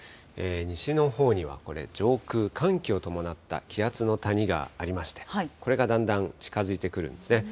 西のほうにはこれ、上空、寒気を伴った気圧の谷がありまして、これがだんだん近づいてくるんですね。